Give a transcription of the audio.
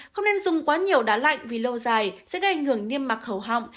không nên dùng quá nhiều đá lạnh vì lâu dài sẽ gây ảnh hưởng niêm mặc khẩu họng